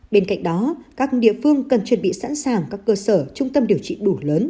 bên cạnh đó các địa phương cần chuẩn bị sẵn sàng các cơ sở trung tâm điều trị đủ lớn